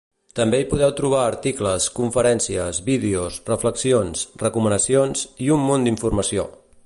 També hi podeu trobar articles, conferències, vídeos, reflexions, recomanacions i un munt d'informació.